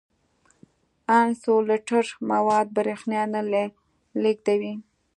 انسولټر مواد برېښنا نه لیږدوي.